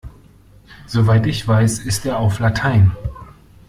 Soweit ich weiß ist er auf Latein.